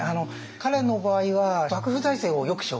彼の場合は幕府財政をよくしようって。